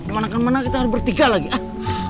kemana mana kita harus bertiga lagi ah